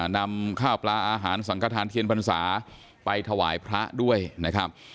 นำข้าวปลาอาหารสังกระทานเทียนพรรษาไปถวายพระด้วยนะครับ